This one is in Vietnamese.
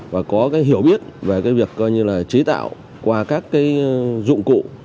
và có cái hiểu biết về cái việc coi như là chế tạo qua các cái dụng cụ